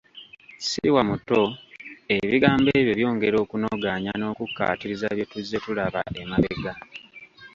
Siwa muto Ebigambo ebyo byongera okunogaanya n’okukkaatiriza bye tuzze tulaba emabega.